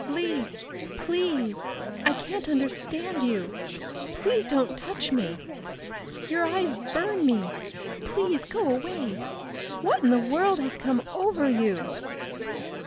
"Lee! Please! I can't understand you. Please don't touch me! Your eyes burn me please go away. What in the world has come over you?"